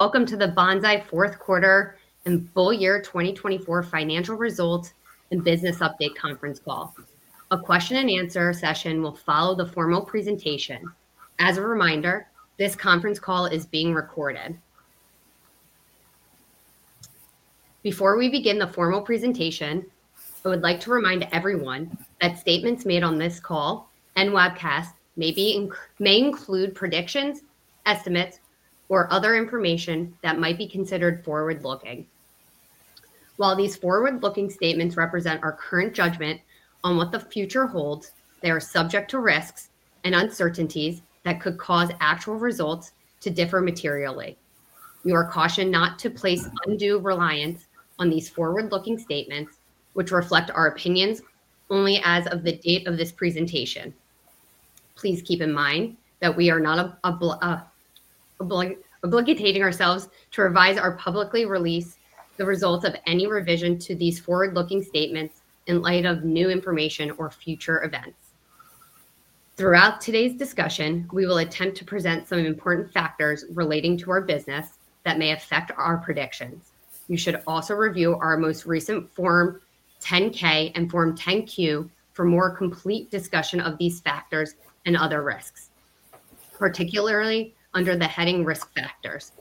Welcome to the Banzai Fourth Quarter and Full Year 2024 Financial Results and Business Update Conference Call. A question-and-answer session will follow the formal presentation. As a reminder, this conference call is being recorded. Before we begin the formal presentation, I would like to remind everyone that statements made on this call and webcast may include predictions, estimates, or other information that might be considered forward-looking. While these forward-looking statements represent our current judgment on what the future holds, they are subject to risks and uncertainties that could cause actual results to differ materially. We are cautioned not to place undue reliance on these forward-looking statements, which reflect our opinions only as of the date of this presentation. Please keep in mind that we are not obligating ourselves to revise or publicly release the results of any revision to these forward-looking statements in light of new information or future events. Throughout today's discussion, we will attempt to present some important factors relating to our business that may affect our predictions. You should also review our most recent Form 10-K and Form 10-Q for more complete discussion of these factors and other risks, particularly under the heading Risk Factors.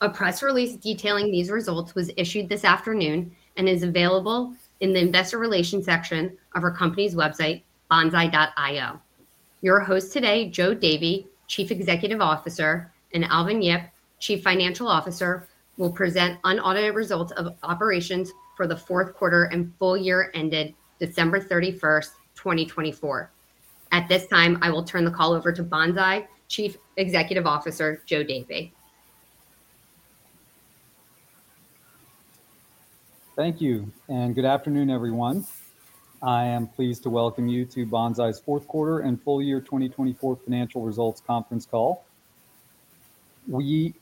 A press release detailing these results was issued this afternoon and is available in the Investor Relations section of our company's website, banzai.io. Your hosts today, Joe Davy, Chief Executive Officer, and Alvin Yip, Chief Financial Officer, will present unaudited results of operations for the fourth quarter and full year ended December 31, 2024. At this time, I will turn the call over to Banzai Chief Executive Officer, Joe Davy. Thank you and good afternoon, everyone. I am pleased to welcome you to Banzai's Fourth Quarter and Full Year 2024 Financial Results Conference Call. We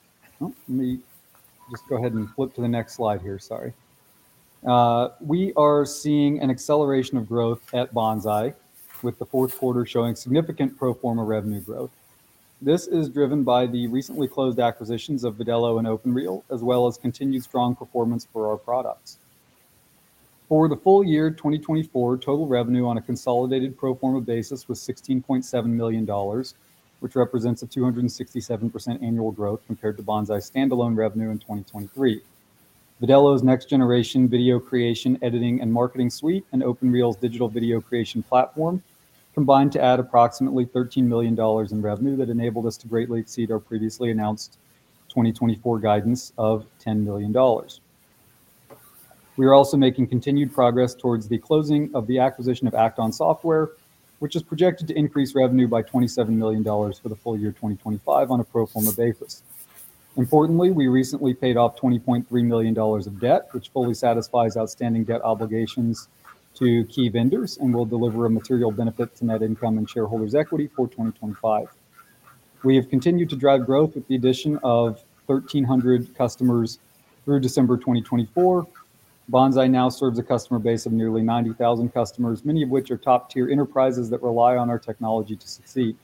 just go ahead and flip to the next slide here. Sorry. We are seeing an acceleration of growth at Banzai, with the fourth quarter showing significant pro-forma revenue growth. This is driven by the recently closed acquisitions of Vidello and OpenReel, as well as continued strong performance for our products. For the full year 2024, total revenue on a consolidated pro-forma basis was $16.7 million, which represents a 267% annual growth compared to Banzai's standalone revenue in 2023. Vidello's next generation video creation, editing, and marketing suite, and OpenReel's digital video creation platform combined to add approximately $13 million in revenue that enabled us to greatly exceed our previously announced 2024 guidance of $10 million. We are also making continued progress towards the closing of the acquisition of Act-On Software, which is projected to increase revenue by $27 million for the full year 2025 on a pro-forma basis. Importantly, we recently paid off $20.3 million of debt, which fully satisfies outstanding debt obligations to key vendors and will deliver a material benefit to net income and shareholders' equity for 2025. We have continued to drive growth with the addition of 1,300 customers through December 2024. Banzai now serves a customer base of nearly 90,000 customers, many of which are top-tier enterprises that rely on our technology to succeed.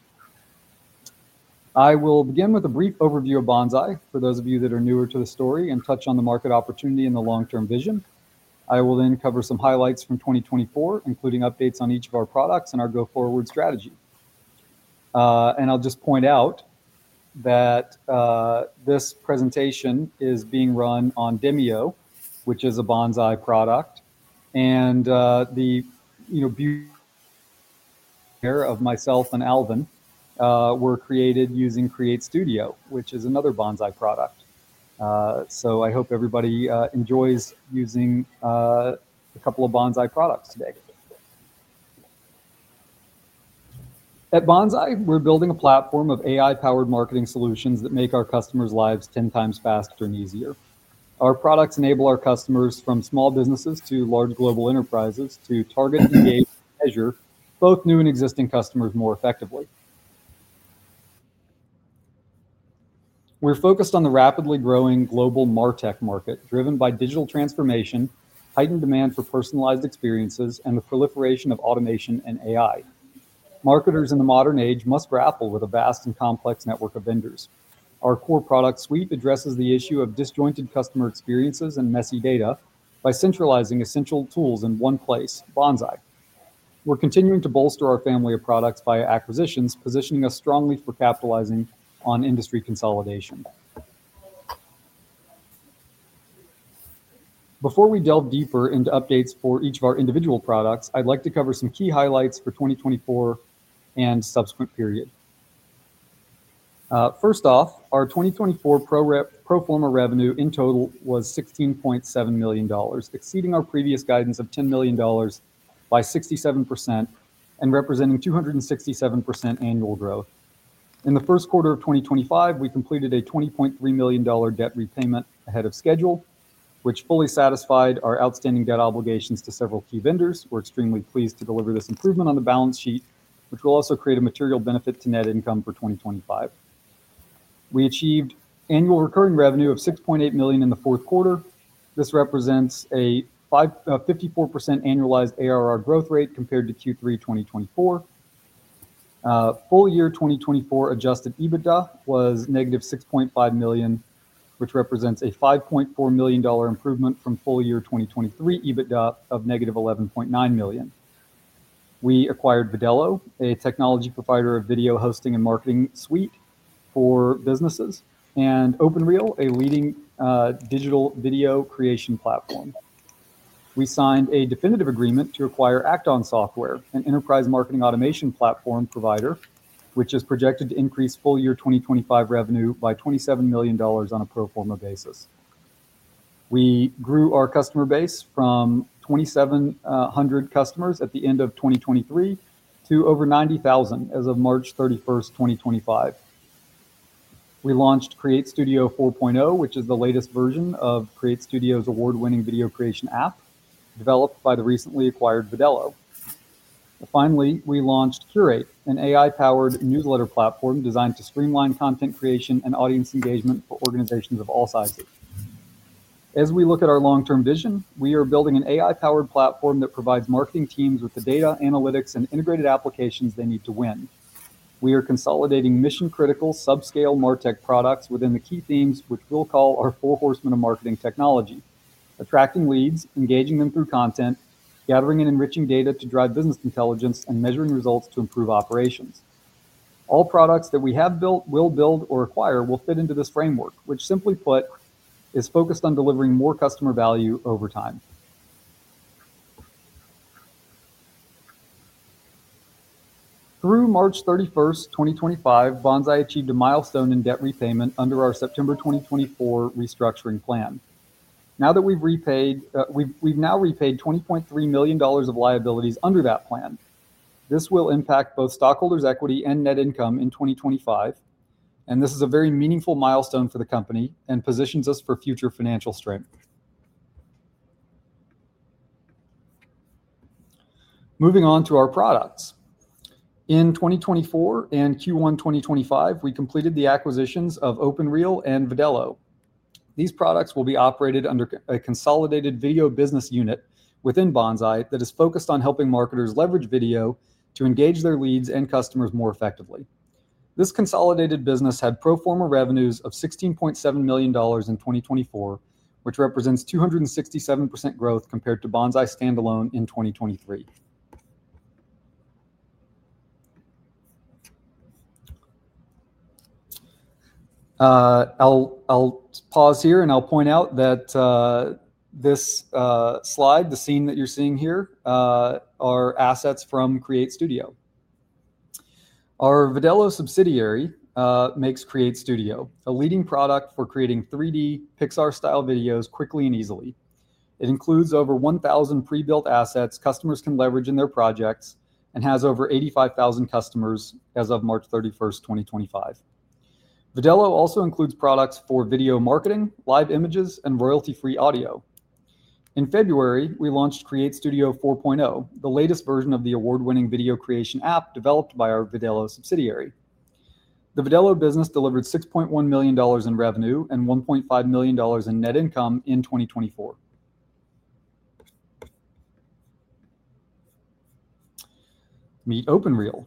I will begin with a brief overview of Banzai for those of you that are newer to the story and touch on the market opportunity and the long-term vision. I will then cover some highlights from 2024, including updates on each of our products and our go-forward strategy. I will just point out that this presentation is being run on Demio, which is a Banzai product. The view here of myself and Alvin were created using Create Studio, which is another Banzai product. I hope everybody enjoys using a couple of Banzai products today. At Banzai, we're building a platform of AI-powered marketing solutions that make our customers' lives 10 times faster and easier. Our products enable our customers, from small businesses to large global enterprises, to target, engage, and measure both new and existing customers more effectively. We're focused on the rapidly growing global Martech market, driven by digital transformation, heightened demand for personalized experiences, and the proliferation of automation and AI. Marketers in the modern age must grapple with a vast and complex network of vendors. Our core product suite addresses the issue of disjointed customer experiences and messy data by centralizing essential tools in one place, Banzai. We're continuing to bolster our family of products via acquisitions, positioning us strongly for capitalizing on industry consolidation. Before we delve deeper into updates for each of our individual products, I'd like to cover some key highlights for 2024 and the subsequent period. First off, our 2024 pro-forma revenue in total was $16.7 million, exceeding our previous guidance of $10 million by 67% and representing 267% annual growth. In the first quarter of 2025, we completed a $20.3 million debt repayment ahead of schedule, which fully satisfied our outstanding debt obligations to several key vendors. We're extremely pleased to deliver this improvement on the balance sheet, which will also create a material benefit to net income for 2025. We achieved annual recurring revenue of $6.8 million in the fourth quarter. This represents a 54% annualized ARR growth rate compared to Q3 2024. Full year 2024 adjusted EBITDA was negative $6.5 million, which represents a $5.4 million improvement from full year 2023 EBITDA of negative $11.9 million. We acquired Vidello, a technology provider of video hosting and marketing suite for businesses, and OpenReel, a leading digital video creation platform. We signed a definitive agreement to acquire Act-On Software, an enterprise marketing automation platform provider, which is projected to increase full year 2025 revenue by $27 million on a pro-forma basis. We grew our customer base from 2,700 customers at the end of 2023 to over 90,000 as of March 31st, 2025. We launched Create Studio 4.0, which is the latest version of Create Studio's award-winning video creation app developed by the recently acquired Vidello. Finally, we launched Curate, an AI-powered newsletter platform designed to streamline content creation and audience engagement for organizations of all sizes. As we look at our long-term vision, we are building an AI-powered platform that provides marketing teams with the data, analytics, and integrated applications they need to win. We are consolidating mission-critical subscale Martech products within the key themes, which we will call our four horsemen of marketing technology: attracting leads, engaging them through content, gathering and enriching data to drive business intelligence, and measuring results to improve operations. All products that we have built, will build, or acquire will fit into this framework, which simply put is focused on delivering more customer value over time. Through March 31, 2025, Banzai achieved a milestone in debt repayment under our September 2024 restructuring plan. Now that we've now repaid $20.3 million of liabilities under that plan, this will impact both stockholders' equity and net income in 2025, and this is a very meaningful milestone for the company and positions us for future financial strength. Moving on to our products. In 2024 and Q1 2025, we completed the acquisitions of OpenReel and Vidello. These products will be operated under a consolidated video business unit within Banzai that is focused on helping marketers leverage video to engage their leads and customers more effectively. This consolidated business had pro-forma revenues of $16.7 million in 2024, which represents 267% growth compared to Banzai standalone in 2023. I'll pause here and I'll point out that this slide, the scene that you're seeing here, are assets from Create Studio. Our Vidello subsidiary makes Create Studio, a leading product for creating 3D Pixar-style videos quickly and easily. It includes over 1,000 pre-built assets customers can leverage in their projects and has over 85,000 customers as of March 31, 2025. Vidello also includes products for video marketing, live images, and royalty-free audio. In February, we launched Create Studio 4.0, the latest version of the award-winning video creation app developed by our Vidello subsidiary. The Vidello business delivered $6.1 million in revenue and $1.5 million in net income in 2024. Meet OpenReel.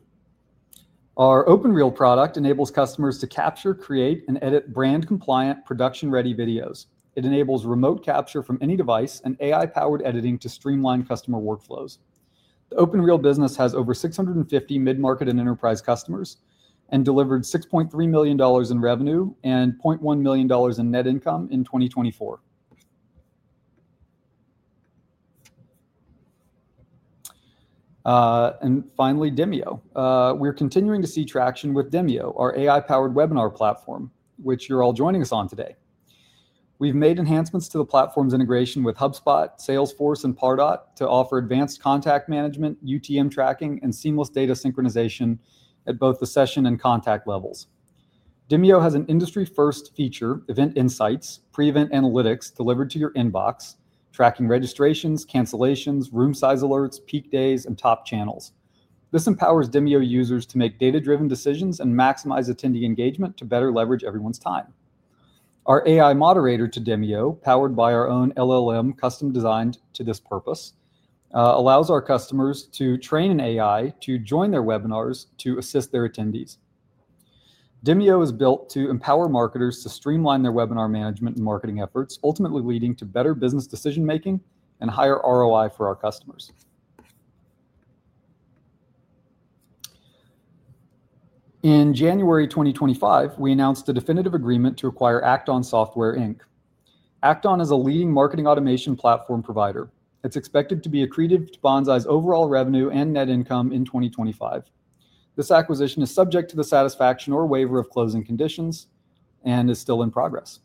Our OpenReel product enables customers to capture, create, and edit brand-compliant, production-ready videos. It enables remote capture from any device and AI-powered editing to streamline customer workflows. The OpenReel business has over 650 mid-market and enterprise customers and delivered $6.3 million in revenue and $0.1 million in net income in 2024. Finally, Demeo. We're continuing to see traction with Demio, our AI-powered webinar platform, which you're all joining us on today. We've made enhancements to the platform's integration with HubSpot, Salesforce, and Pardot to offer advanced contact management, UTM tracking, and seamless data synchronization at both the session and contact levels. Demio has an industry-first feature, event insights, pre-event analytics delivered to your inbox, tracking registrations, cancellations, room size alerts, peak days, and top channels. This empowers Demio users to make data-driven decisions and maximize attendee engagement to better leverage everyone's time. Our AI moderator to Demio, powered by our own LLM, custom designed to this purpose, allows our customers to train an AI to join their webinars to assist their attendees. Demio is built to empower marketers to streamline their webinar management and marketing efforts, ultimately leading to better business decision-making and higher ROI for our customers. In January 2025, we announced a definitive agreement to acquire Act-On Software. Act-On is a leading marketing automation platform provider. It's expected to be accretive to Banzai's overall revenue and net income in 2025. This acquisition is subject to the satisfaction or waiver of closing conditions and is still in progress.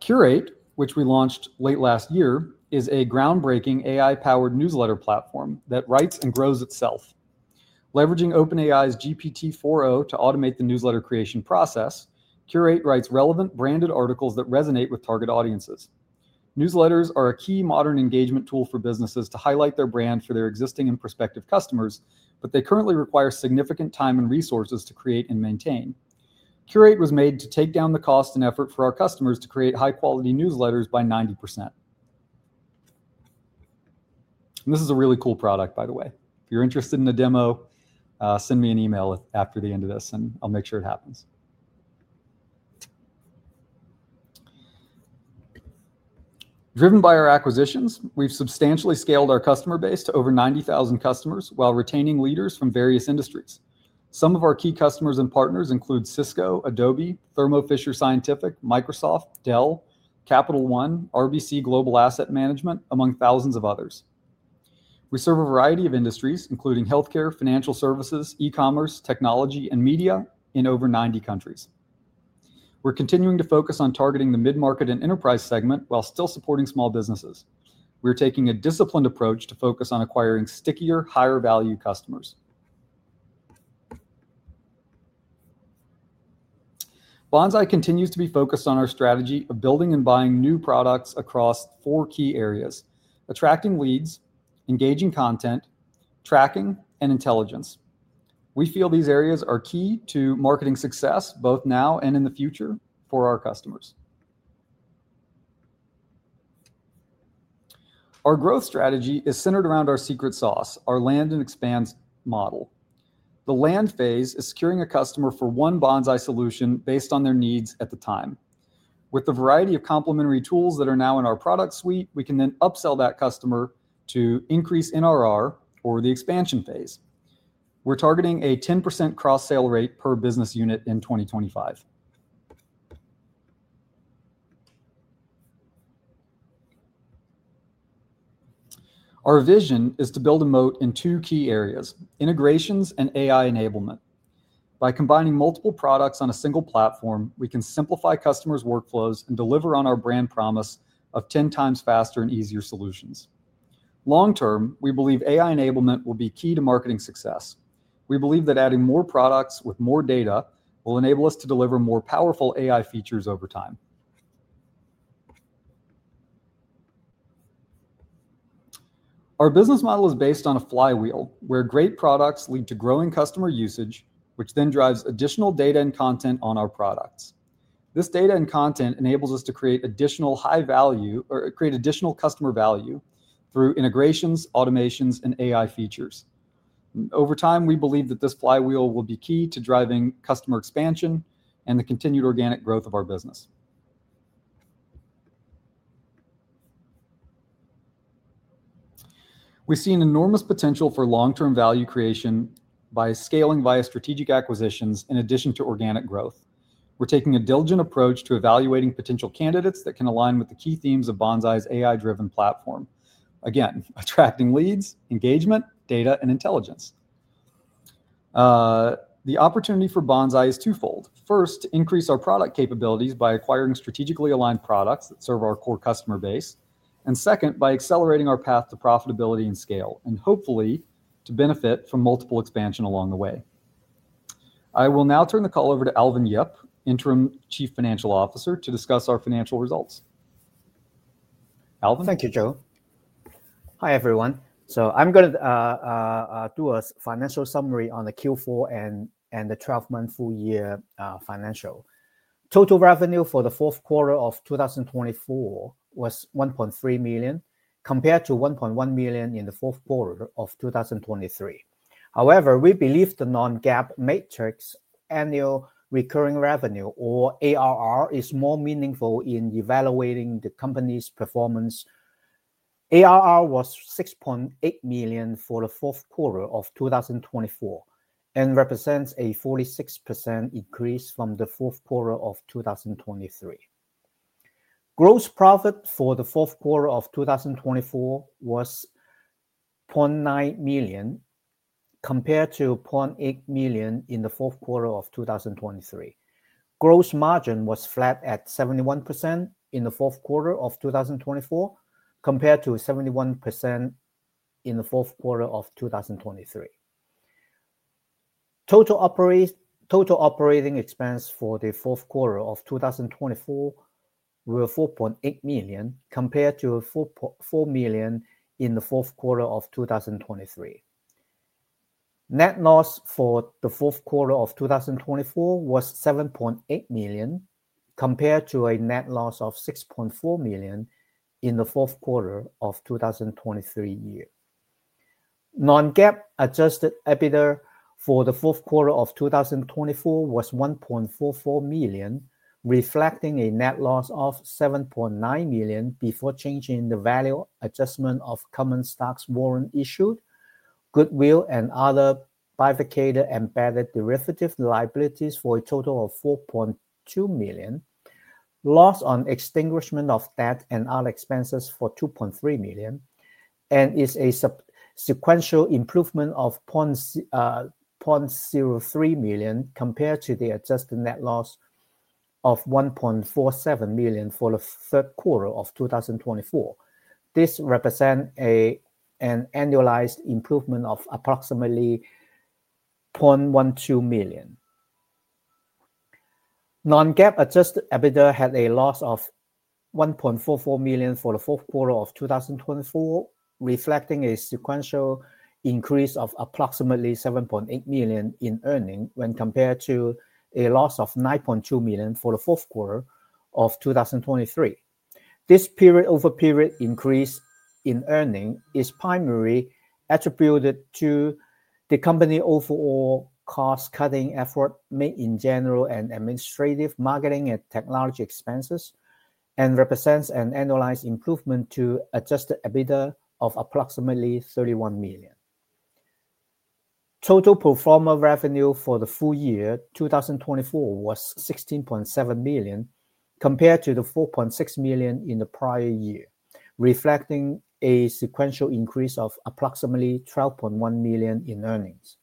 Curate, which we launched late last year, is a groundbreaking AI-powered newsletter platform that writes and grows itself. Leveraging OpenAI's GPT-4o to automate the newsletter creation process, Curate writes relevant, branded articles that resonate with target audiences. Newsletters are a key modern engagement tool for businesses to highlight their brand for their existing and prospective customers, but they currently require significant time and resources to create and maintain. Curate was made to take down the cost and effort for our customers to create high-quality newsletters by 90%. This is a really cool product, by the way. If you're interested in a demo, send me an email after the end of this and I'll make sure it happens. Driven by our acquisitions, we've substantially scaled our customer base to over 90,000 customers while retaining leaders from various industries. Some of our key customers and partners include Cisco, Adobe, Thermo Fisher Scientific, Microsoft, Dell, Capital One, RBC Global Asset Management, among thousands of others. We serve a variety of industries, including healthcare, financial services, e-commerce, technology, and media in over 90 countries. We're continuing to focus on targeting the mid-market and enterprise segment while still supporting small businesses. We're taking a disciplined approach to focus on acquiring stickier, higher-value customers. Banzai continues to be focused on our strategy of building and buying new products across four key areas: attracting leads, engaging content, tracking, and intelligence. We feel these areas are key to marketing success both now and in the future for our customers. Our growth strategy is centered around our secret sauce, our land and expands model. The land phase is securing a customer for one Banzai solution based on their needs at the time. With the variety of complementary tools that are now in our product suite, we can then upsell that customer to increase NRR or the expansion phase. We're targeting a 10% cross-sale rate per business unit in 2025. Our vision is to build a moat in two key areas: integrations and AI enablement. By combining multiple products on a single platform, we can simplify customers' workflows and deliver on our brand promise of 10 times faster and easier solutions. Long term, we believe AI enablement will be key to marketing success. We believe that adding more products with more data will enable us to deliver more powerful AI features over time. Our business model is based on a flywheel where great products lead to growing customer usage, which then drives additional data and content on our products. This data and content enables us to create additional high value or create additional customer value through integrations, automations, and AI features. Over time, we believe that this flywheel will be key to driving customer expansion and the continued organic growth of our business. We see an enormous potential for long-term value creation by scaling via strategic acquisitions in addition to organic growth. We're taking a diligent approach to evaluating potential candidates that can align with the key themes of Banzai's AI-driven platform. Again, attracting leads, engagement, data, and intelligence. The opportunity for Banzai is twofold. First, to increase our product capabilities by acquiring strategically aligned products that serve our core customer base. Second, by accelerating our path to profitability and scale, and hopefully to benefit from multiple expansions along the way. I will now turn the call over to Alvin Yip, Interim Chief Financial Officer, to discuss our financial results. Alvin? Thank you, Joe. Hi, everyone. I am going to do a financial summary on the Q4 and the 12-month full year financial. Total revenue for the fourth quarter of 2024 was $1.3 million compared to $1.1 million in the fourth quarter of 2023. However, we believe the non-GAAP metric, annual recurring revenue or ARR, is more meaningful in evaluating the company's performance. ARR was $6.8 million for the fourth quarter of 2024 and represents a 46% increase from the fourth quarter of 2023. Gross profit for the fourth quarter of 2024 was $0.9 million compared to $0.8 million in the fourth quarter of 2023. Gross margin was flat at 71% in the fourth quarter of 2024 compared to 71% in the fourth quarter of 2023. Total operating expense for the fourth quarter of 2024 were $4.8 million compared to $4 million in the fourth quarter of 2023. Net loss for the fourth quarter of 2024 was $7.8 million compared to a net loss of $6.4 million in the fourth quarter of 2023. Non-GAAP adjusted EBITDA for the fourth quarter of 2024 was $1.44 million, reflecting a net loss of $7.9 million before changing the value adjustment of common stocks warrant issued, goodwill, and other bifurcated embedded derivative liabilities for a total of $4.2 million. Loss on extinguishment of debt and other expenses for $2.3 million and is a sequential improvement of $0.03 million compared to the adjusted net loss of $1.47 million for the third quarter of 2024. This represents an annualized improvement of approximately $0.12 million. Non-GAAP adjusted EBITDA had a loss of $1.44 million for the fourth quarter of 2024, reflecting a sequential increase of approximately $7.8 million in earnings when compared to a loss of $9.2 million for the fourth quarter of 2023. This period-over-period increase in earnings is primarily attributed to the company's overall cost-cutting efforts made in general and administrative marketing and technology expenses and represents an annualized improvement to adjusted EBITDA of approximately $31 million. Total performer revenue for the full year 2024 was $16.7 million compared to the $4.6 million in the prior year, reflecting a sequential increase of approximately $12.1 million in earnings.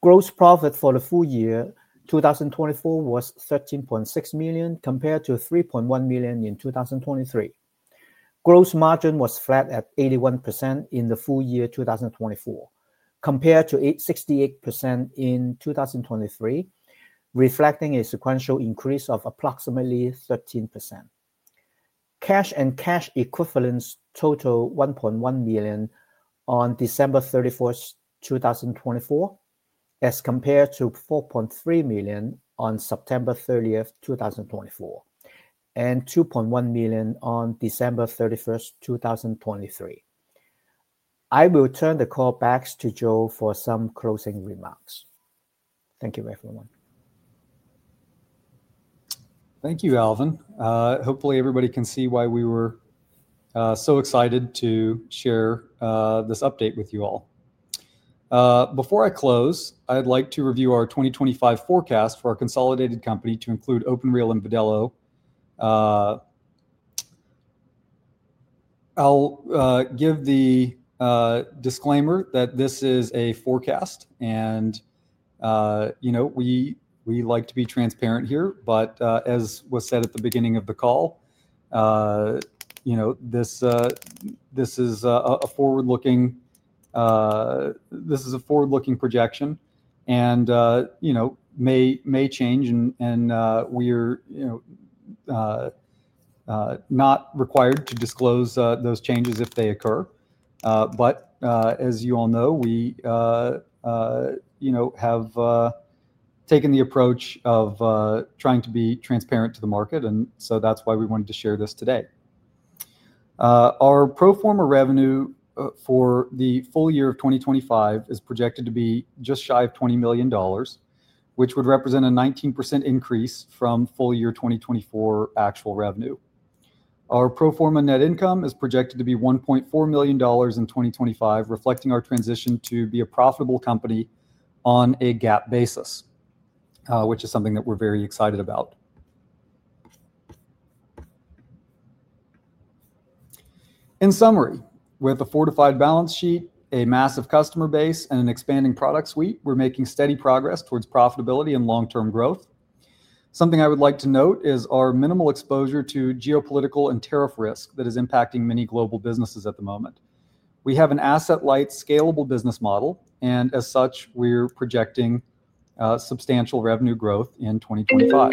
Gross profit for the full year 2024 was $13.6 million compared to $3.1 million in 2023. Gross margin was flat at 81% in the full year 2024 compared to 68% in 2023, reflecting a sequential increase of approximately 13%. Cash and cash-equivalents totaled $1.1 million on December 31, 2024, as compared to $4.3 million on September 30, 2024, and $2.1 million on December 31, 2023. I will turn the call back to Joe for some closing remarks. Thank you, everyone. Thank you, Alvin. Hopefully, everybody can see why we were so excited to share this update with you all. Before I close, I'd like to review our 2025 forecast for our consolidated company to include OpenReel and Vidello. I'll give the disclaimer that this is a forecast and we like to be transparent here, but as was said at the beginning of the call, this is a forward-looking projection and may change, and we are not required to disclose those changes if they occur. As you all know, we have taken the approach of trying to be transparent to the market, and that's why we wanted to share this today. Our pro-forma revenue for the full year of 2025 is projected to be just shy of $20 million, which would represent a 19% increase from full year 2024 actual revenue. Our pro-forma net income is projected to be $1.4 million in 2025, reflecting our transition to be a profitable company on a GAAP basis, which is something that we're very excited about. In summary, with a fortified balance sheet, a massive customer base, and an expanding product suite, we're making steady progress towards profitability and long-term growth. Something I would like to note is our minimal exposure to geopolitical and tariff risk that is impacting many global businesses at the moment. We have an asset-light, scalable business model, and as such, we're projecting substantial revenue growth in 2025.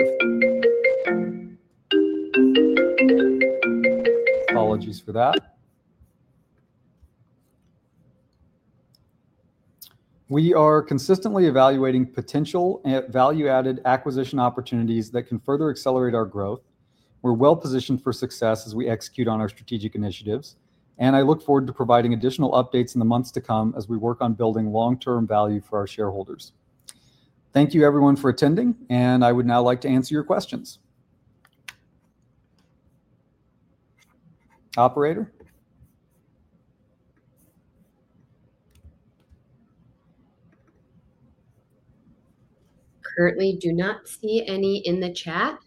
Apologies for that. We are consistently evaluating potential value-added acquisition opportunities that can further accelerate our growth. We're well positioned for success as we execute on our strategic initiatives, and I look forward to providing additional updates in the months to come as we work on building long-term value for our shareholders. Thank you, everyone, for attending, and I would now like to answer your questions. Operator? Currently, do not see any in the chat.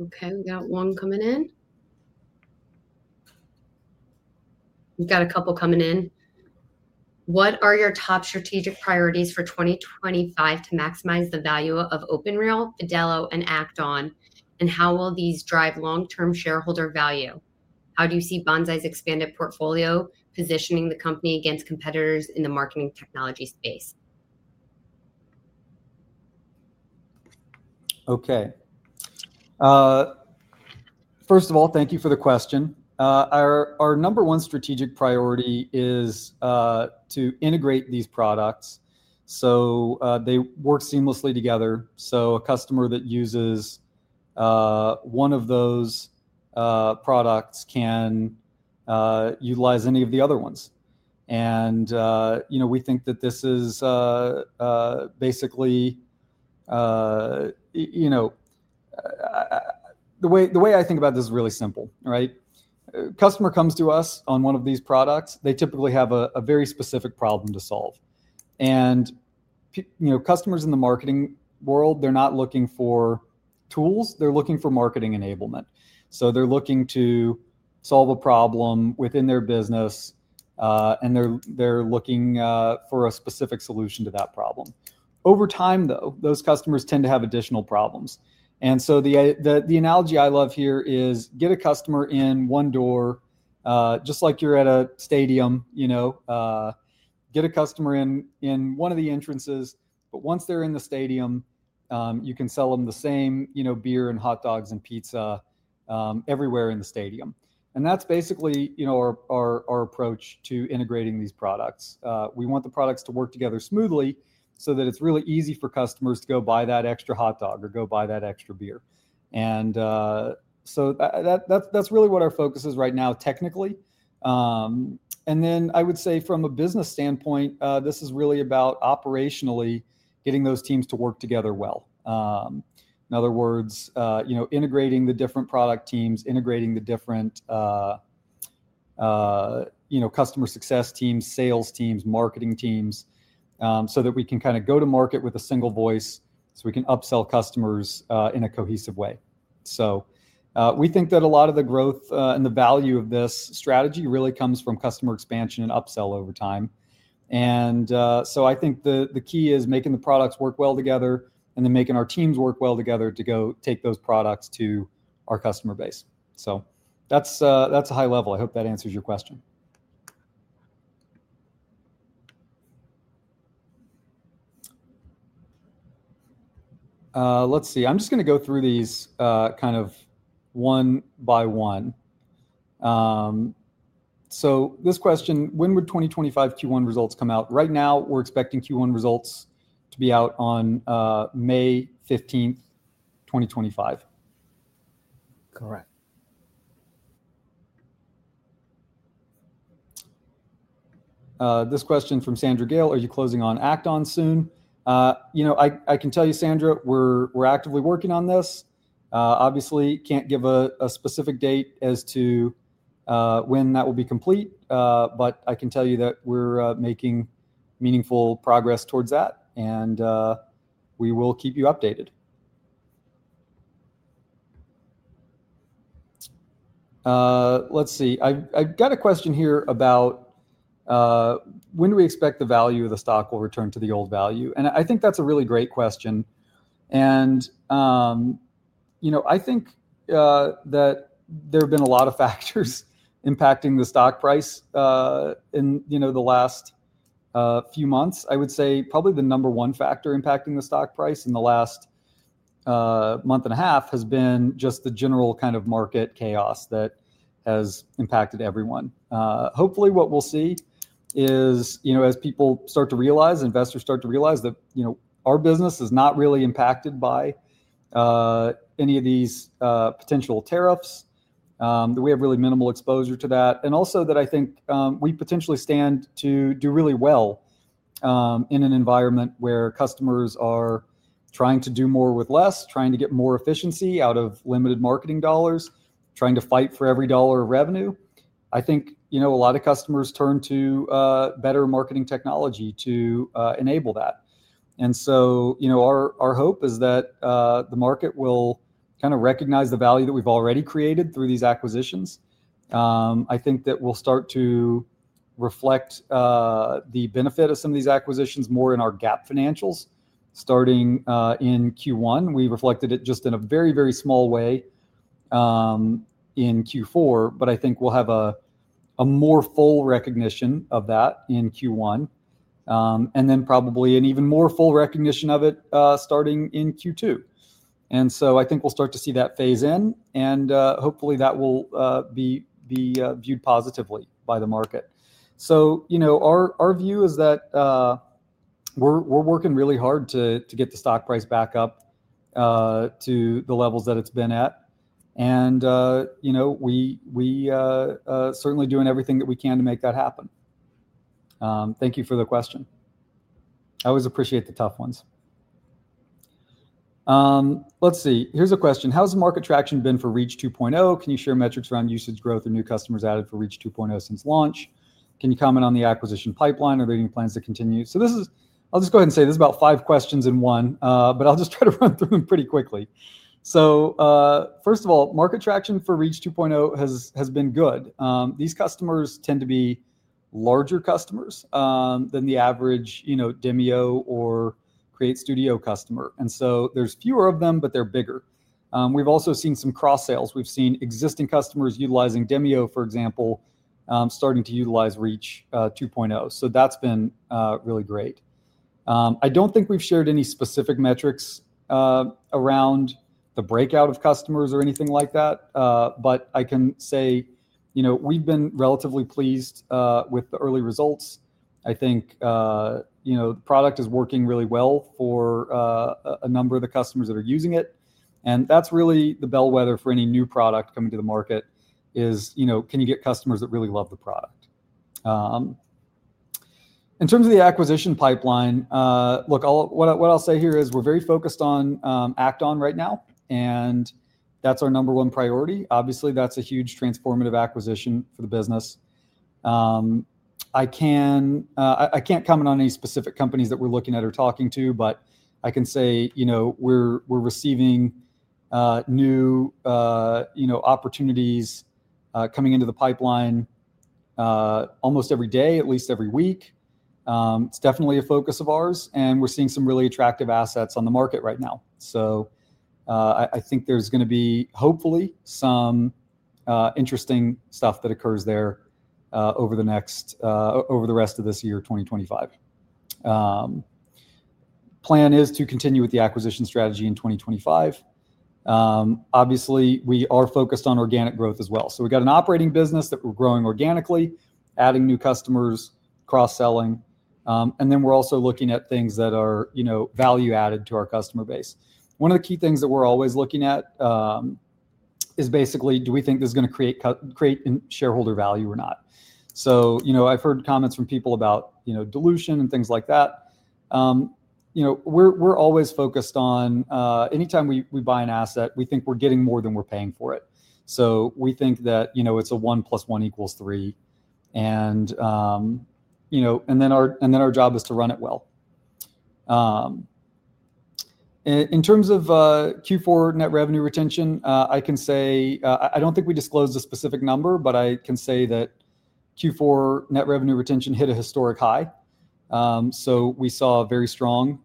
Okay, we got one coming in. We've got a couple coming in. What are your top strategic priorities for 2025 to maximize the value of OpenReel, Vidello, and Act-On? And how will these drive long-term shareholder value? How do you see Banzai's expanded portfolio positioning the company against competitors in the marketing technology space? Okay. First of all, thank you for the question. Our number one strategic priority is to integrate these products so they work seamlessly together, so a customer that uses one of those products can utilize any of the other ones. I think that this is basically the way I think about this is really simple, right? A customer comes to us on one of these products, they typically have a very specific problem to solve. Customers in the marketing world, they're not looking for tools, they're looking for marketing enablement. They're looking to solve a problem within their business, and they're looking for a specific solution to that problem. Over time, though, those customers tend to have additional problems. The analogy I love here is get a customer in one door, just like you're at a stadium, get a customer in one of the entrances, but once they're in the stadium, you can sell them the same beer and hot dogs and pizza everywhere in the stadium. That's basically our approach to integrating these products. We want the products to work together smoothly so that it's really easy for customers to go buy that extra hot dog or go buy that extra beer. That's really what our focus is right now technically. I would say from a business standpoint, this is really about operationally getting those teams to work together well. In other words, integrating the different product teams, integrating the different customer success teams, sales teams, marketing teams so that we can kind of go to market with a single voice so we can upsell customers in a cohesive way. We think that a lot of the growth and the value of this strategy really comes from customer expansion and upsell over time. I think the key is making the products work well together and then making our teams work well together to go take those products to our customer base. That's a high level. I hope that answers your question. Let's see. I'm just going to go through these kind of one by one. This question, when would 2025 Q1 results come out? Right now, we're expecting Q1 results to be out on May 15th, 2025. Correct. This question from Sandra Gale, are you closing on Act-On soon? I can tell you, Sandra, we're actively working on this. Obviously, can't give a specific date as to when that will be complete, but I can tell you that we're making meaningful progress towards that, and we will keep you updated. Let's see. I've got a question here about when do we expect the value of the stock will return to the old value? I think that's a really great question. I think that there have been a lot of factors impacting the stock price in the last few months. I would say probably the number one factor impacting the stock price in the last month and a half has been just the general kind of market chaos that has impacted everyone. Hopefully, what we'll see is as people start to realize, investors start to realize that our business is not really impacted by any of these potential tariffs, that we have really minimal exposure to that, and also that I think we potentially stand to do really well in an environment where customers are trying to do more with less, trying to get more efficiency out of limited marketing dollars, trying to fight for every dollar of revenue. I think a lot of customers turn to better marketing technology to enable that. Our hope is that the market will kind of recognize the value that we've already created through these acquisitions. I think that we'll start to reflect the benefit of some of these acquisitions more in our GAAP financials starting in Q1. We reflected it just in a very, very small way in Q4, but I think we'll have a more full recognition of that in Q1, and then probably an even more full recognition of it starting in Q2. I think we'll start to see that phase in, and hopefully that will be viewed positively by the market. Our view is that we're working really hard to get the stock price back up to the levels that it's been at, and we're certainly doing everything that we can to make that happen. Thank you for the question. I always appreciate the tough ones. Let's see. Here's a question. How's the market traction been for Reach 2.0? Can you share metrics around usage growth or new customers added for Reach 2.0 since launch? Can you comment on the acquisition pipeline or leading plans to continue? I'll just go ahead and say this is about five questions in one, but I'll just try to run through them pretty quickly. First of all, market traction for Reach 2.0 has been good. These customers tend to be larger customers than the average Demio or Create Studio customer. There are fewer of them, but they're bigger. We've also seen some cross-sales. We've seen existing customers utilizing Demio, for example, starting to utilize Reach 2.0. That's been really great. I don't think we've shared any specific metrics around the breakout of customers or anything like that, but I can say we've been relatively pleased with the early results. I think the product is working really well for a number of the customers that are using it. That's really the bellwether for any new product coming to the market, is can you get customers that really love the product? In terms of the acquisition pipeline, look, what I'll say here is we're very focused on Act-On right now, and that's our number one priority. Obviously, that's a huge transformative acquisition for the business. I can't comment on any specific companies that we're looking at or talking to, but I can say we're receiving new opportunities coming into the pipeline almost every day, at least every week. It's definitely a focus of ours, and we're seeing some really attractive assets on the market right now. I think there's going to be, hopefully, some interesting stuff that occurs there over the rest of this year, 2025. The plan is to continue with the acquisition strategy in 2025. Obviously, we are focused on organic growth as well. We have got an operating business that we are growing organically, adding new customers, cross-selling, and then we are also looking at things that are value-added to our customer base. One of the key things that we are always looking at is basically, do we think this is going to create shareholder value or not? I have heard comments from people about dilution and things like that. We are always focused on anytime we buy an asset, we think we are getting more than we are paying for it. We think that it is a one plus one equals three, and then our job is to run it well. In terms of Q4 net revenue retention, I can say I do not think we disclosed a specific number, but I can say that Q4 net revenue retention hit a historic high. We saw very strong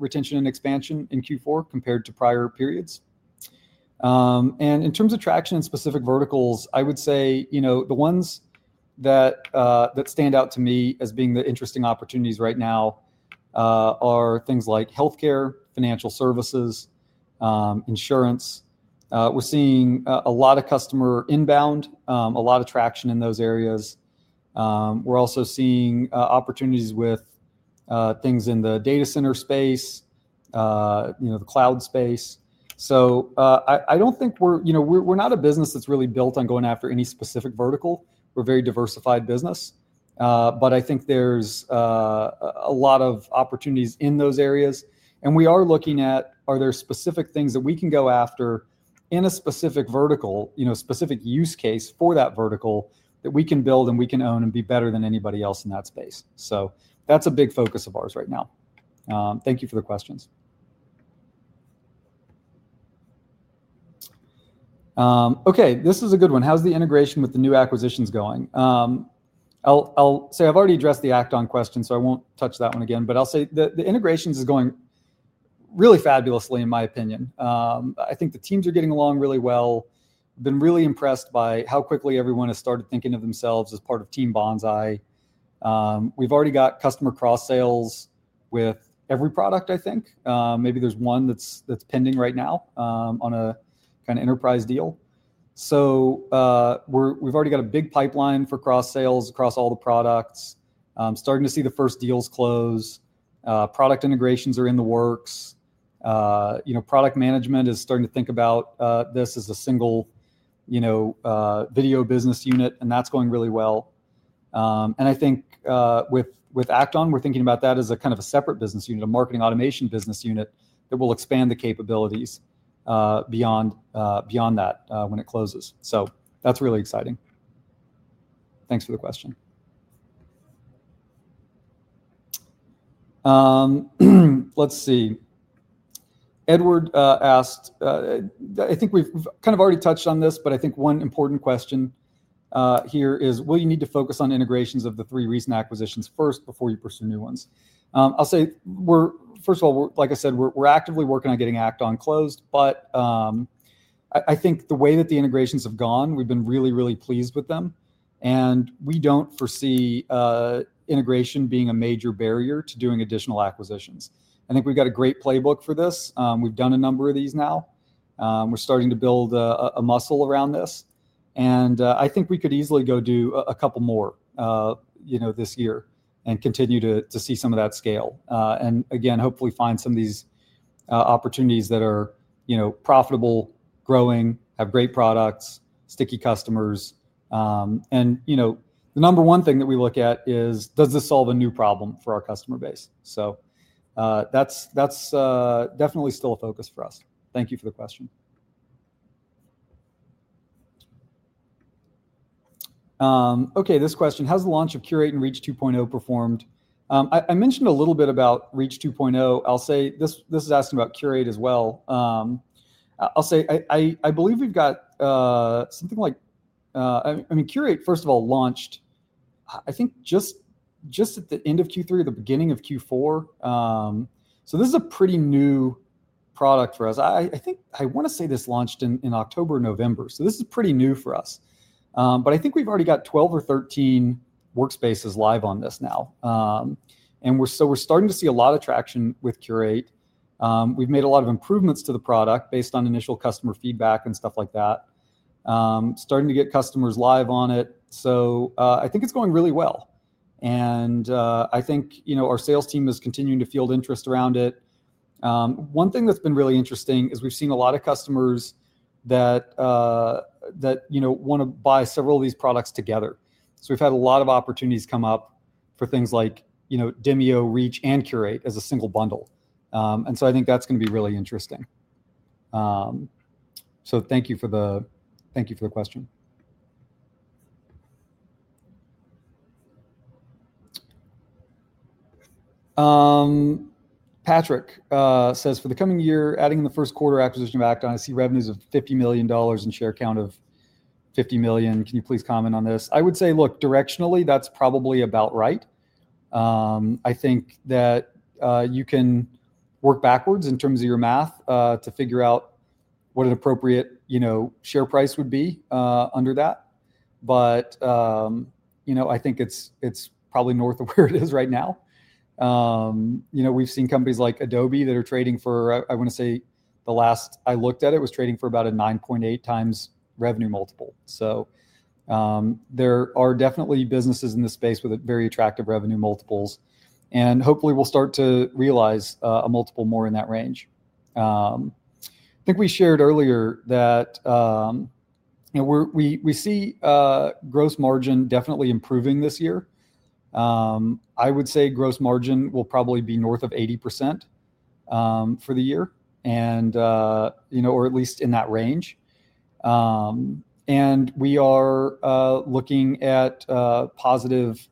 retention and expansion in Q4 compared to prior periods. In terms of traction in specific verticals, I would say the ones that stand out to me as being the interesting opportunities right now are things like healthcare, financial services, insurance. We're seeing a lot of customer inbound, a lot of traction in those areas. We're also seeing opportunities with things in the data center space, the cloud space. I don't think we're not a business that's really built on going after any specific vertical. We're a very diversified business, but I think there's a lot of opportunities in those areas. We are looking at, are there specific things that we can go after in a specific vertical, specific use case for that vertical that we can build and we can own and be better than anybody else in that space? That's a big focus of ours right now. Thank you for the questions. Okay, this is a good one. How's the integration with the new acquisitions going? I'll say I've already addressed the Act-On question, so I won't touch that one again, but I'll say the integration is going really fabulously, in my opinion. I think the teams are getting along really well. I've been really impressed by how quickly everyone has started thinking of themselves as part of Team Banzai. We've already got customer cross-sales with every product, I think. Maybe there's one that's pending right now on a kind of enterprise deal. We've already got a big pipeline for cross-sales across all the products, starting to see the first deals close. Product integrations are in the works. Product management is starting to think about this as a single video business unit, and that's going really well. I think with Act-On, we're thinking about that as a kind of a separate business unit, a marketing automation business unit that will expand the capabilities beyond that when it closes. That is really exciting. Thanks for the question. Let's see. Edward asked, I think we've kind of already touched on this, but I think one important question here is, will you need to focus on integrations of the three recent acquisitions first before you pursue new ones? I'll say, first of all, like I said, we're actively working on getting Act-On closed, but I think the way that the integrations have gone, we've been really, really pleased with them. We do not foresee integration being a major barrier to doing additional acquisitions. I think we've got a great playbook for this. We've done a number of these now. We're starting to build a muscle around this. I think we could easily go do a couple more this year and continue to see some of that scale. Again, hopefully find some of these opportunities that are profitable, growing, have great products, sticky customers. The number one thing that we look at is, does this solve a new problem for our customer base? That's definitely still a focus for us. Thank you for the question. Okay, this question, how's the launch of Curate and Reach 2.0 performed? I mentioned a little bit about Reach 2.0. I'll say this is asking about Curate as well. I'll say I believe we've got something like, I mean, Curate, first of all, launched, I think, just at the end of Q3 or the beginning of Q4. This is a pretty new product for us. I think I want to say this launched in October or November. This is pretty new for us. I think we've already got 12 or 13 workspaces live on this now. We're starting to see a lot of traction with Curate. We've made a lot of improvements to the product based on initial customer feedback and stuff like that, starting to get customers live on it. I think it's going really well. I think our sales team is continuing to field interest around it. One thing that's been really interesting is we've seen a lot of customers that want to buy several of these products together. We've had a lot of opportunities come up for things like Demio, Reach, and Curate as a single bundle. I think that's going to be really interesting. Thank you for the question. Patrick says, for the coming year, adding in the first quarter acquisition of Act-On, I see revenues of $50 million and share count of 50 million. Can you please comment on this? I would say, look, directionally, that's probably about right. I think that you can work backwards in terms of your math to figure out what an appropriate share price would be under that. I think it's probably north of where it is right now. We've seen companies like Adobe that are trading for, I want to say, the last I looked at it was trading for about a 9.8 times revenue multiple. There are definitely businesses in this space with very attractive revenue multiples. Hopefully, we'll start to realize a multiple more in that range. I think we shared earlier that we see gross margin definitely improving this year. I would say gross margin will probably be north of 80% for the year or at least in that range. We are looking at positive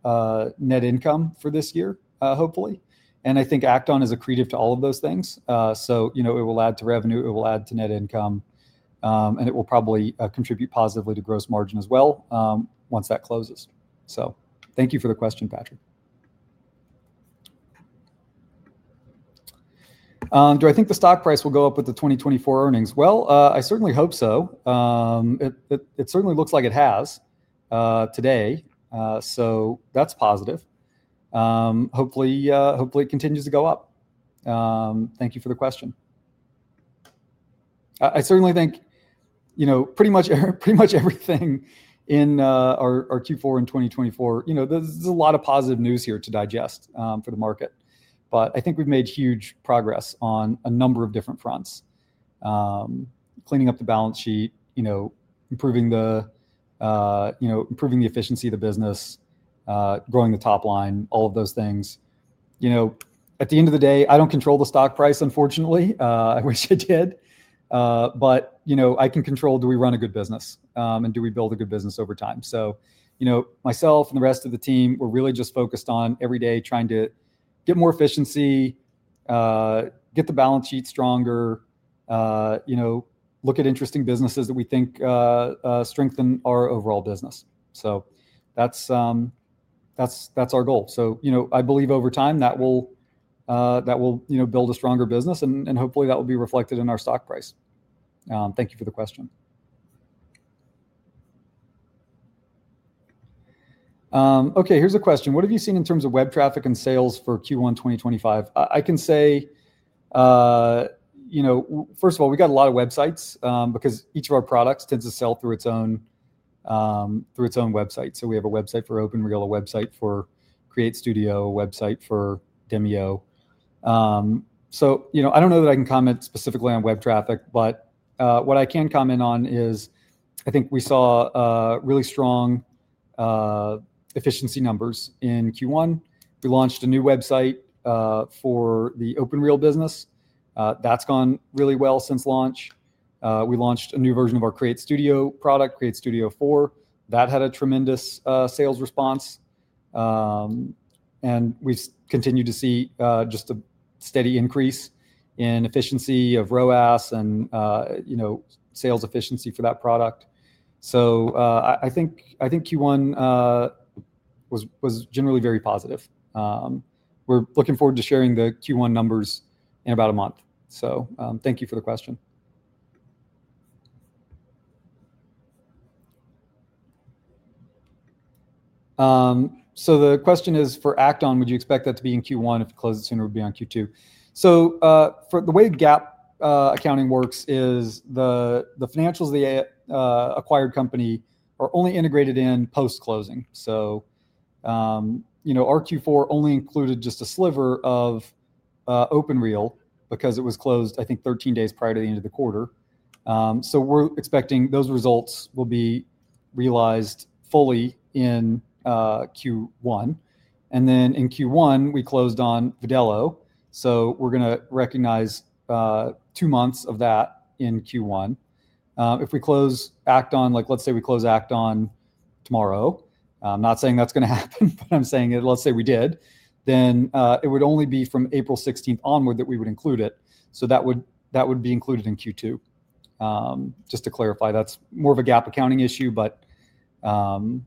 net income for this year, hopefully. I think Act-On is accretive to all of those things. It will add to revenue, it will add to net income, and it will probably contribute positively to gross margin as well once that closes. Thank you for the question, Patrick. Do I think the stock price will go up with the 2024 earnings? I certainly hope so. It certainly looks like it has today. That is positive. Hopefully, it continues to go up. Thank you for the question. I certainly think pretty much everything in our Q4 in 2024, there is a lot of positive news here to digest for the market. I think we've made huge progress on a number of different fronts: cleaning up the balance sheet, improving the efficiency of the business, growing the top line, all of those things. At the end of the day, I don't control the stock price, unfortunately. I wish I did. I can control, do we run a good business and do we build a good business over time? Myself and the rest of the team, we're really just focused on every day trying to get more efficiency, get the balance sheet stronger, look at interesting businesses that we think strengthen our overall business. That's our goal. I believe over time that will build a stronger business, and hopefully, that will be reflected in our stock price. Thank you for the question. Okay, here's a question. What have you seen in terms of web traffic and sales for Q1 2025? I can say, first of all, we've got a lot of websites because each of our products tends to sell through its own website. We have a website for OpenReel, a website for Create Studio, a website for Demio. I don't know that I can comment specifically on web traffic, but what I can comment on is I think we saw really strong efficiency numbers in Q1. We launched a new website for the OpenReel business. That's gone really well since launch. We launched a new version of our Create Studio product, Create Studio 4. That had a tremendous sales response. We've continued to see just a steady increase in efficiency of ROAS and sales efficiency for that product. I think Q1 was generally very positive. We're looking forward to sharing the Q1 numbers in about a month. Thank you for the question. The question is, for Act-On, would you expect that to be in Q1? If it closes sooner, it would be on Q2. The way GAAP accounting works is the financials of the acquired company are only integrated in post-closing. Our Q4 only included just a sliver of OpenReel because it was closed, I think, 13 days prior to the end of the quarter. We're expecting those results will be realized fully in Q1. In Q1, we closed on Vidello. We're going to recognize two months of that in Q1. If we close Act-On, let's say we close Act-On tomorrow. I'm not saying that's going to happen, but I'm saying let's say we did, then it would only be from April 16th onward that we would include it. That would be included in Q2. Just to clarify, that's more of a GAAP accounting issue, but I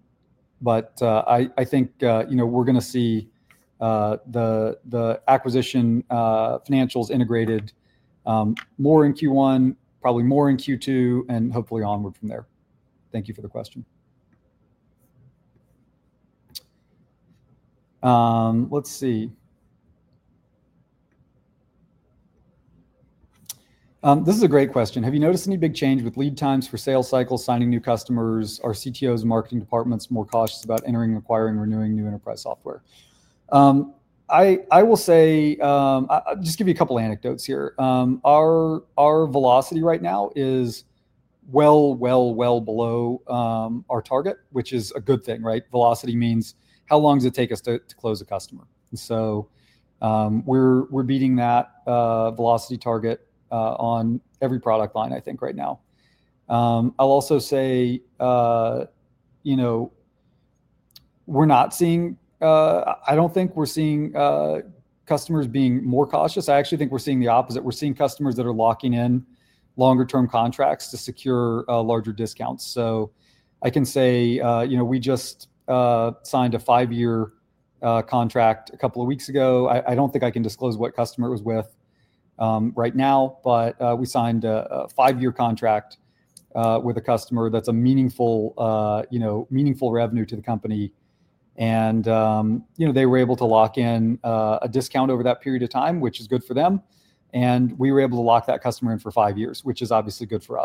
think we're going to see the acquisition financials integrated more in Q1, probably more in Q2, and hopefully onward from there. Thank you for the question. Let's see. This is a great question. Have you noticed any big change with lead times for sales cycles, signing new customers? Are CTOs and marketing departments more cautious about entering, acquiring, renewing new enterprise software? I will say, I'll just give you a couple of anecdotes here. Our velocity right now is well, well, well below our target, which is a good thing, right? Velocity means how long does it take us to close a customer? We're beating that velocity target on every product line, I think, right now. I'll also say we're not seeing, I don't think we're seeing customers being more cautious. I actually think we're seeing the opposite. We're seeing customers that are locking in longer-term contracts to secure larger discounts. I can say we just signed a five-year contract a couple of weeks ago. I don't think I can disclose what customer it was with right now, but we signed a five-year contract with a customer that's a meaningful revenue to the company. They were able to lock in a discount over that period of time, which is good for them. We were able to lock that customer in for five years, which is obviously good for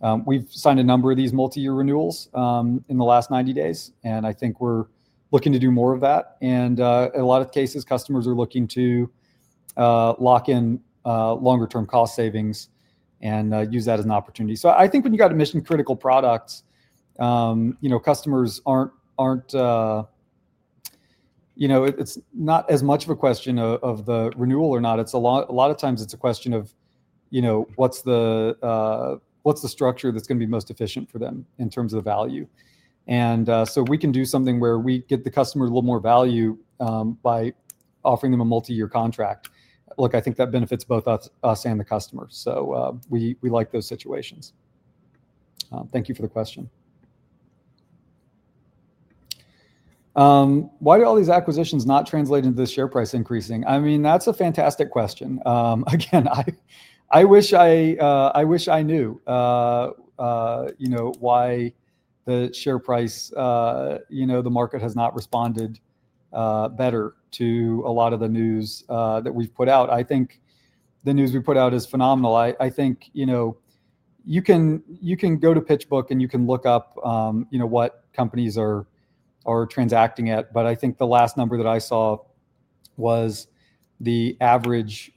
us. We've signed a number of these multi-year renewals in the last 90 days. I think we're looking to do more of that. In a lot of cases, customers are looking to lock in longer-term cost savings and use that as an opportunity. I think when you've got a mission-critical product, customers aren't, it's not as much of a question of the renewal or not. A lot of times, it's a question of what's the structure that's going to be most efficient for them in terms of the value. We can do something where we get the customer a little more value by offering them a multi-year contract. I think that benefits both us and the customers. We like those situations. Thank you for the question. Why do all these acquisitions not translate into the share price increasing? I mean, that's a fantastic question. Again, I wish I knew why the share price, the market has not responded better to a lot of the news that we've put out. I think the news we put out is phenomenal. I think you can go to PitchBook and you can look up what companies are transacting at. I think the last number that I saw was the average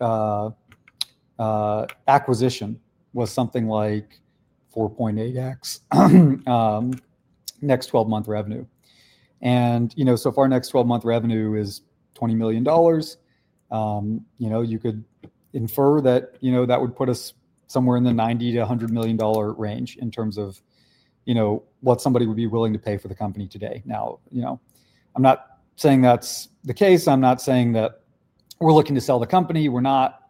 acquisition was something like 4.8x next 12-month revenue. So far, next 12-month revenue is $20 million. You could infer that that would put us somewhere in the $90-$100 million range in terms of what somebody would be willing to pay for the company today. Now, I'm not saying that's the case. I'm not saying that we're looking to sell the company. We're not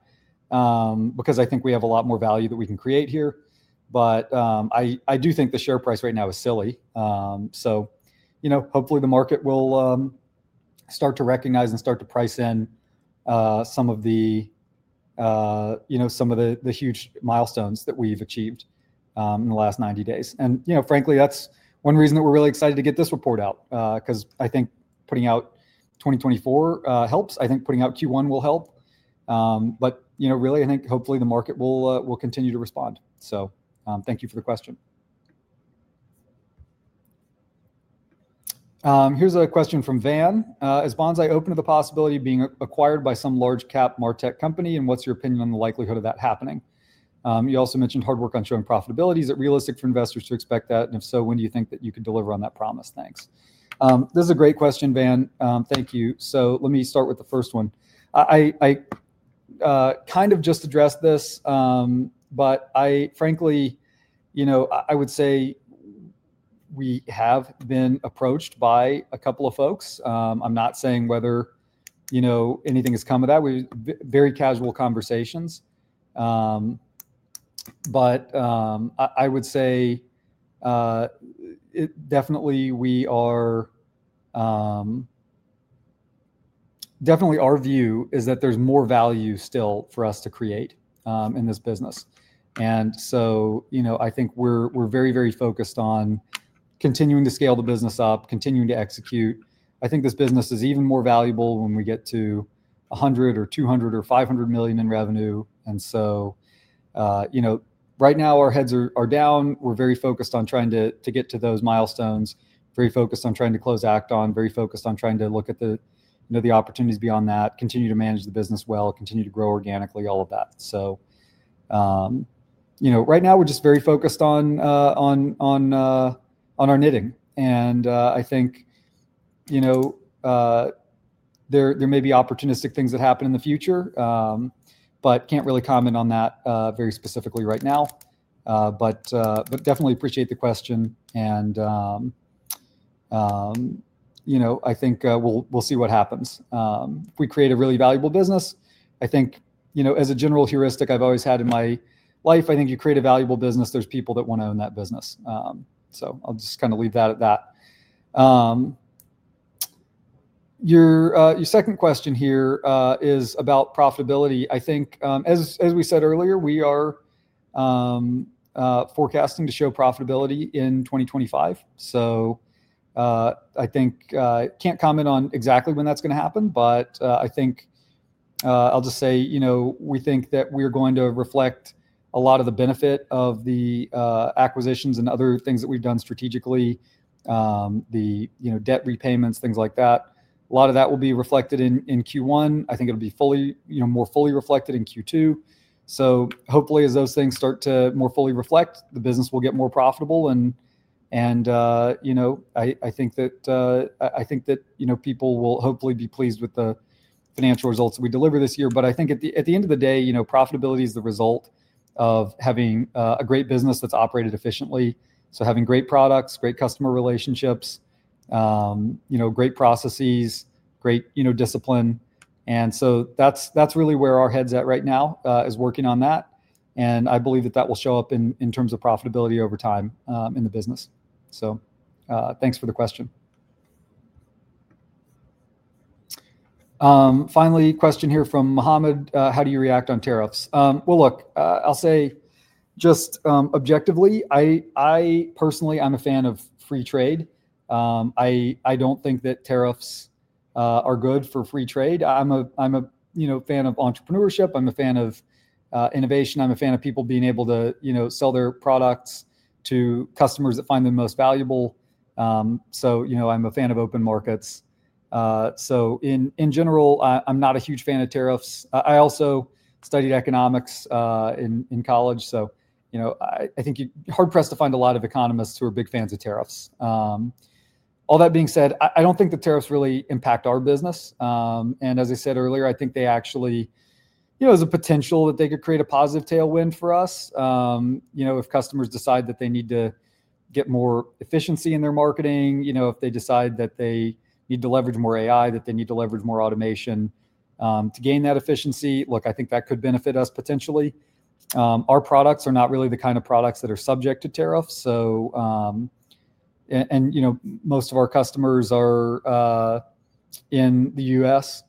because I think we have a lot more value that we can create here. I do think the share price right now is silly. Hopefully, the market will start to recognize and start to price in some of the huge milestones that we've achieved in the last 90 days. Frankly, that's one reason that we're really excited to get this report out because I think putting out 2024 helps. I think putting out Q1 will help. Really, I think hopefully the market will continue to respond. Thank you for the question. Here's a question from Van. Is Banzai open to the possibility of being acquired by some large-cap Martech company? What's your opinion on the likelihood of that happening? You also mentioned hard work on showing profitability. Is it realistic for investors to expect that? If so, when do you think that you could deliver on that promise? Thanks. This is a great question, Van. Thank you. Let me start with the first one. I kind of just addressed this, but frankly, I would say we have been approached by a couple of folks. I'm not saying whether anything has come of that. They were very casual conversations. I would say definitely our view is that there's more value still for us to create in this business. I think we're very, very focused on continuing to scale the business up, continuing to execute. I think this business is even more valuable when we get to $100 million or $200 million or $500 million in revenue. Right now, our heads are down. We're very focused on trying to get to those milestones, very focused on trying to close Act-On, very focused on trying to look at the opportunities beyond that, continue to manage the business well, continue to grow organically, all of that. Right now, we're just very focused on our knitting. I think there may be opportunistic things that happen in the future, but can't really comment on that very specifically right now. Definitely appreciate the question. I think we'll see what happens. If we create a really valuable business, I think as a general heuristic I've always had in my life, I think you create a valuable business, there's people that want to own that business. I'll just kind of leave that at that. Your second question here is about profitability. I think as we said earlier, we are forecasting to show profitability in 2025. I think I can't comment on exactly when that's going to happen, but I think I'll just say we think that we're going to reflect a lot of the benefit of the acquisitions and other things that we've done strategically, the debt repayments, things like that. A lot of that will be reflected in Q1. I think it'll be more fully reflected in Q2. Hopefully, as those things start to more fully reflect, the business will get more profitable. I think that people will hopefully be pleased with the financial results we deliver this year. At the end of the day, profitability is the result of having a great business that's operated efficiently. Having great products, great customer relationships, great processes, great discipline. That's really where our head's at right now is working on that. I believe that that will show up in terms of profitability over time in the business. Thanks for the question. Finally, question here from Mohammad. How do you react on tariffs? I will say just objectively, I personally, I'm a fan of free trade. I don't think that tariffs are good for free trade. I'm a fan of entrepreneurship. I'm a fan of innovation. I'm a fan of people being able to sell their products to customers that find them most valuable. I'm a fan of open markets. In general, I'm not a huge fan of tariffs. I also studied economics in college. I think you're hard-pressed to find a lot of economists who are big fans of tariffs. All that being said, I don't think the tariffs really impact our business. As I said earlier, I think there is a potential that they could create a positive tailwind for us if customers decide that they need to get more efficiency in their marketing, if they decide that they need to leverage more AI, that they need to leverage more automation to gain that efficiency. Look, I think that could benefit us potentially. Our products are not really the kind of products that are subject to tariffs. Most of our customers are in the U.S.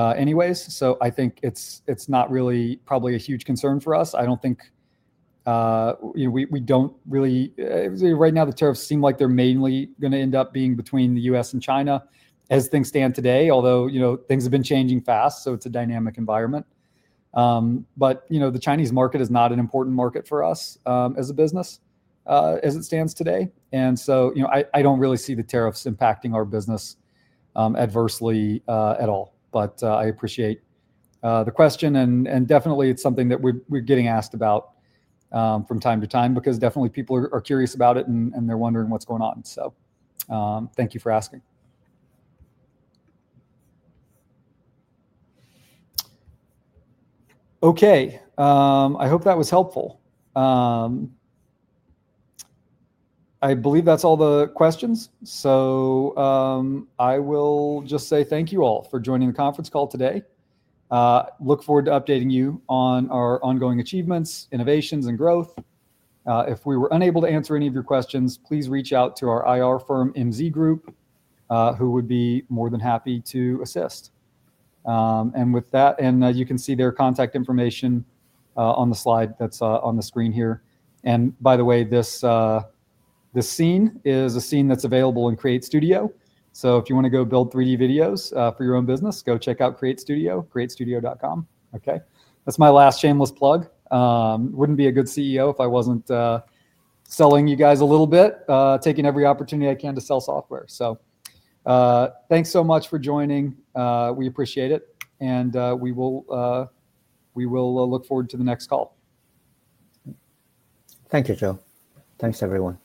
anyways. I think it is not really probably a huge concern for us. I do not think we do not really right now, the tariffs seem like they are mainly going to end up being between the U.S. and China as things stand today, although things have been changing fast. It is a dynamic environment. The Chinese market is not an important market for us as a business as it stands today. I do not really see the tariffs impacting our business adversely at all. I appreciate the question. It is something that we are getting asked about from time to time because people are curious about it and they are wondering what is going on. Thank you for asking. I hope that was helpful. I believe that is all the questions. I will just say thank you all for joining the conference call today. I look forward to updating you on our ongoing achievements, innovations, and growth. If we were unable to answer any of your questions, please reach out to our IR firm, MZ Group, who would be more than happy to assist. With that, you can see their contact information on the slide that's on the screen here. By the way, this scene is a scene that's available in Create Studio. If you want to go build 3D videos for your own business, go check out Create Studio, createstudio.com. Okay. That's my last shameless plug. Wouldn't be a good CEO if I wasn't selling you guys a little bit, taking every opportunity I can to sell software. Thanks so much for joining. We appreciate it. We will look forward to the next call. Thank you, Joe. Thanks, everyone.